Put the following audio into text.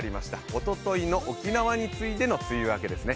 おとといの沖縄に次いでの梅雨明けですね。